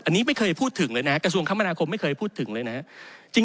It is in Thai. อันนี้ไม่เคยพูดถึงเลยนะกระทรวงคมนาคมไม่เคยพูดถึงเลยนะครับ